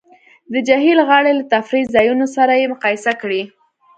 د جهیل غاړې له تفریح ځایونو سره یې مقایسه کړئ